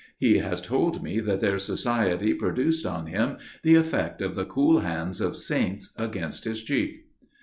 He has told me that their society produced on him the effect of the cool hands of saints against his cheek.